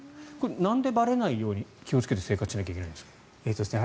なんでばれないように気をつけて生活しなきゃいけないんですか？